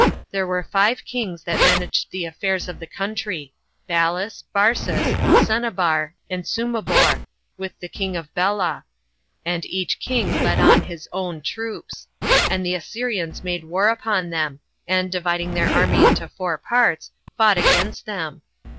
There were five kings that managed the affairs of this county: Ballas, Barsas, Senabar, and Sumobor, with the king of Bela; and each king led on his own troops: and the Assyrians made war upon them; and, dividing their army into four parts, fought against them.